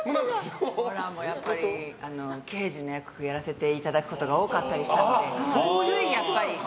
やっぱり刑事の役やらせていただくことが多かったりしたので。